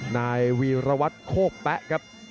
นายวีรวัตรโคกแป๊ะครับ